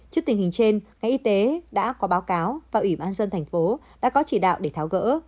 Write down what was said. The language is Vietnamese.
trước tình hình trên ngành y tế đã có báo cáo và ủy ban dân thành phố đã có chỉ đạo để tháo gỡ